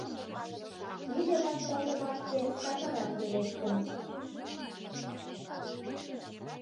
Тиде вашталтымашке Сакарат верештын.